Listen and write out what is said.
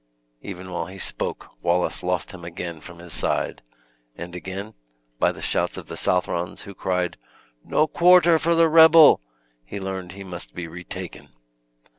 Even while he spoke Wallace lost him again from his side; and again, by the shouts of the Southrons, who cried, "No quarter for the rebel!" he learned he must be retaken.